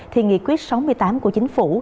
thì nghị quyết sáu mươi tám của chính phủ